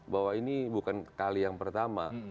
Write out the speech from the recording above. bahwa ini bukan kali yang pertama